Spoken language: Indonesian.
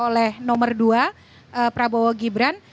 yang didapat oleh nomor dua prabowo gibran